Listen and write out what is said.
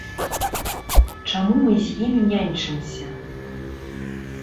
Чаму мы з імі няньчымся?